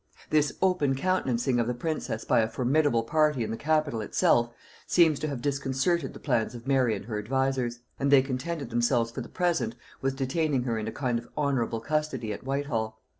This open countenancing of the princess by a formidable party in the capital itself, seems to have disconcerted the plans of Mary and her advisers; and they contented themselves for the present with detaining her in a kind of honorable custody at Whitehall.